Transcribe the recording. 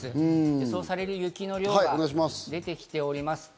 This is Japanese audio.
予想される雪の量が出てきています。